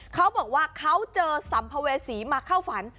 เขาบอกว่าเขาเจอสัมภเวษีมาเข้าฝัน